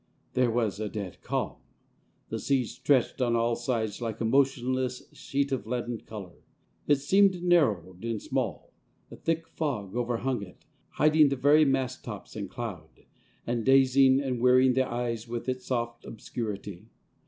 There was a dead calm. The sea stretched on all sides like a motionless sheet of leaden colour. It seemed narrowed and small ; a thick fog overhung it, hiding the very mast tops in 317 POEMS IN PROSE cloud, and dazing and wearying the eyes with its soft obscurity.